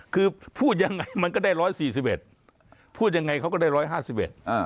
คือพูดยังไงมันก็ได้ร้อยสี่สิบเอ็ดพูดยังไงเขาก็ได้ร้อยห้าสิบเอ็ดอ่า